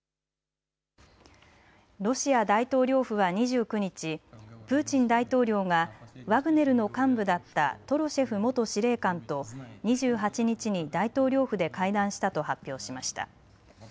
ロシア大統領府は２９日、プーチン大統領がワグネルの幹部だったトロシェフ元司令官と２８日に大統領府で会談したと発表しました。